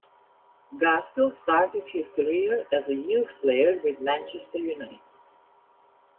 Gaskell started his career as a youth player with Manchester United.